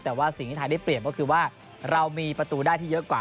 แต่ว่าสิ่งที่ไทยได้เปรียบก็คือว่าเรามีประตูได้ที่เยอะกว่า